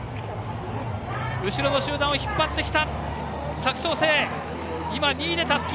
後ろの集団を引っ張ってきた佐久長聖、２位でたすき。